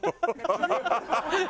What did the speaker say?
ハハハハ！